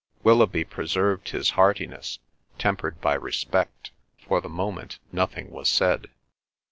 Willoughby preserved his heartiness, tempered by respect. For the moment nothing was said.